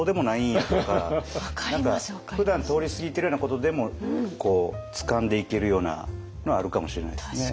ふだん通り過ぎてるようなことでもつかんでいけるようなのはあるかもしれないですね。